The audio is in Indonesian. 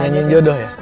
ngingin jodoh ya